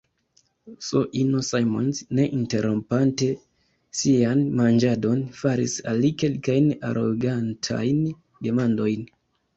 S-ino Simons, ne interrompante sian manĝadon, faris al li kelkajn arogantajn demandojn.